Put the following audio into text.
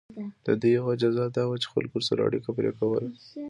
د دوی یوه جزا دا وه چې خلکو ورسره اړیکه پرې کوله.